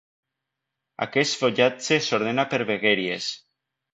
Aquest fogatge s'ordenà per vegueries.